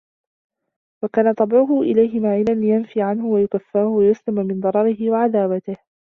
وَكَانَ طَبْعُهُ إلَيْهِ مَائِلًا لِيَنْفِيَ عَنْهُ وَيُكْفَاهُ وَيَسْلَمُ مِنْ ضَرَرِهِ وَعَدَاوَتِهِ